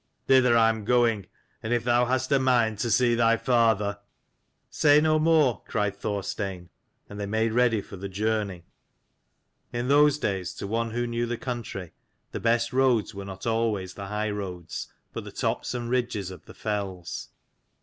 Thither I am going, and if thou hast a mind to see thy father" "Say no more," cried Thorstein: and they made ready for the journey. In those days, to one who knew the country, the best roads were not always the high roads, but the tops and ridges of the fells.